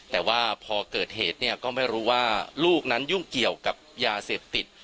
แต่ว่าพอเกิดเหตุเนี่ยก็ไม่รู้ว่าลูกนั้นยุ่งเกี่ยวกับยาเสพติด